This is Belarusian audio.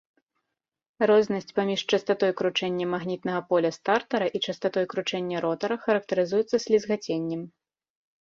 Рознасць паміж частатой кручэння магнітнага поля статара і частатой кручэння ротара характарызуецца слізгаценнем.